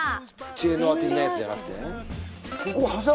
知恵の輪的なやつじゃなくて？